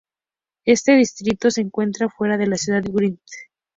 Este distrito se encuentra fuera de la ciudad de Windhoek.